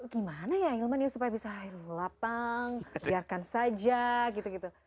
gimana ya hilman ya supaya bisa air lapang biarkan saja gitu gitu